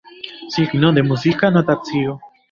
Signo de muzika notacio.